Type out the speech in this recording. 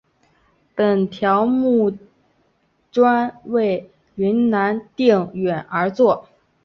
本条目专为云南定远而作。